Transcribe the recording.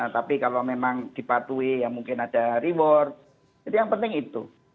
tapi kalau memang dipatuhi ya mungkin ada reward itu yang penting itu